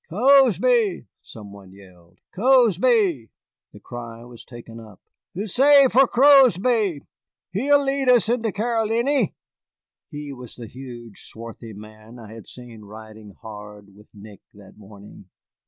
"Cozby!" some one yelled, "Cozby!" The cry was taken up. "Huzzay for Cozby! He'll lead us into Caroliny." He was the huge, swarthy man I had seen riding hard with Nick that morning.